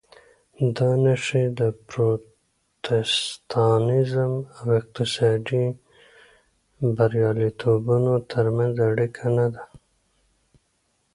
دا نښې د پروتستانېزم او اقتصادي بریالیتوبونو ترمنځ اړیکه نه ده.